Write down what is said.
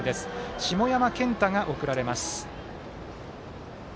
下山健太が送られます。